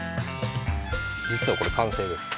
じつはこれ完成です。